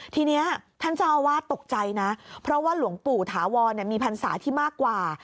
ทีนี้ท่านเจ้าอาวาสตกใจนะเพราะว่าหลวงปู่ถาวรมีพรรษาที่มากกว่า